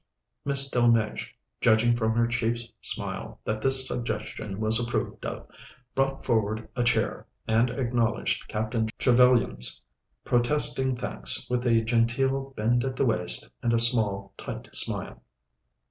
Miss Delmege, judging from her chief's smile that this suggestion was approved of, brought forward a chair, and acknowledged Captain Trevellyan's protesting thanks with a genteel bend at the waist and a small, tight smile.